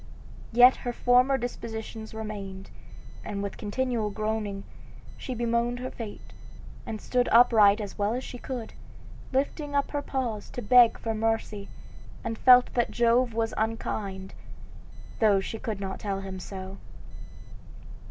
Yet her former disposition remained, and with continual groaning, she bemoaned her fate, and stood upright as well as she could, lifting up her paws to beg for mercy, and felt that Jove was unkind, though she could not tell him so.